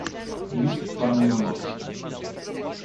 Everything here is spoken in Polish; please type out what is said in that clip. "Lis wpadł na most."